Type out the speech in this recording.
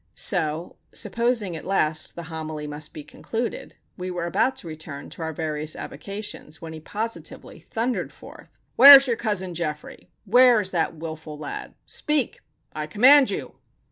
So, supposing, at last, the homily must be concluded, we were about to return to our various avocations, when he positively thundered forth: "Where is your Cousin Geoffrey? Where is that wilful lad? Speak! I command you!"